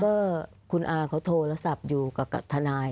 ก็คุณอาเขาโทรศัพท์อยู่กับทนาย